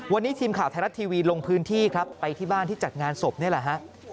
วันนี้ทีมข่าวไทยรัฐทีวีลงพื้นที่ครับไปที่บ้านที่จัดงานศพนี่แหละฮะ